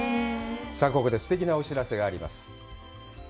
さあ、ここですてきなお知らせがあります。